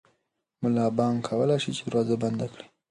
ملا بانګ کولی شي چې دروازه بنده کړي.